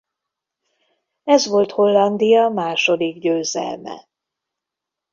Ez volt Hollandia második győzelme.